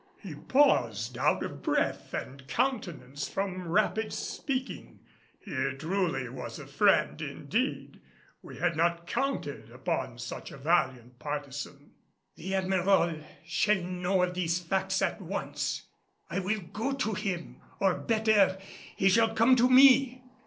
He paused, out of breath and countenance from rapid speaking. Here truly was a friend indeed; we had not counted upon such a valiant partisan. "The Admiral shall know of these facts at once. I will go to him or better he shall come to me.